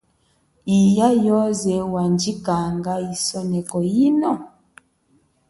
Iya yoze wandjikanga isoneko yino?